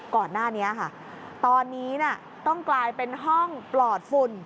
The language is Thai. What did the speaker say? ก่อนหน้านี้ค่ะตอนนี้ต้องกลายเป็นห้องปลอดฝุ่น